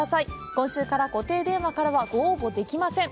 今週から、固定電話からはご応募できません。